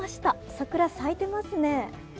桜咲いてますね。